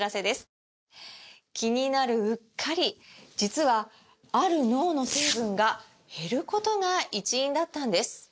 気になるうっかり実はある脳の成分が減ることが一因だったんです